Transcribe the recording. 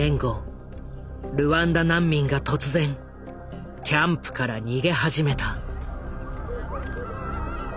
ルワンダ難民が突然キャンプから逃げ始めた。